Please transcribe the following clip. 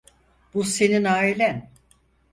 Bu senin ailen.